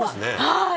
「はい。